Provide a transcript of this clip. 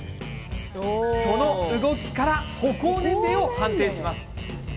その動きから歩行年齢を判定します。